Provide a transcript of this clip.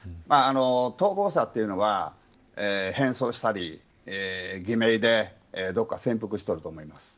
逃亡者というのは変装したり偽名でどこかに潜伏していると思います。